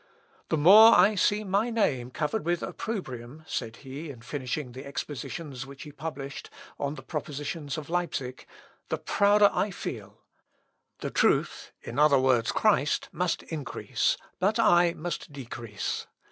"The more I see my name covered with opprobrium," said he in finishing the expositions which he published, on the propositions of Leipsic, "the prouder I feel; the truth, in other words, Christ, must increase, but I must decrease.